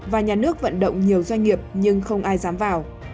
và nhà nước vận động nhiều doanh nghiệp nhưng không ai dám vào